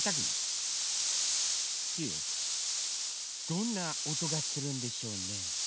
どんなおとがするんでしょうね？